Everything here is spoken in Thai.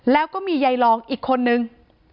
แล้วก็มียายรองอีกคนนึง